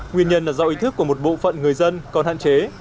nguyên nhân là do ý thức của một bộ phận người dân còn hạn chế